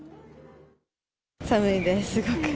寒いです、すごく。